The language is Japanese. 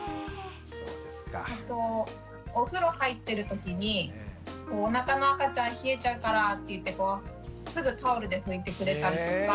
あとお風呂入ってるときに「おなかの赤ちゃん冷えちゃうから」ってすぐタオルで拭いてくれたりとか。